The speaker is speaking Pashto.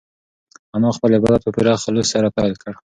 انا خپل عبادت په پوره خلوص سره پیل کړ.